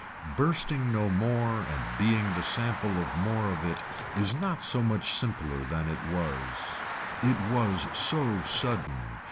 Bursting no more and being the sample of more of it is not so much simpler than it was. It was so sudden.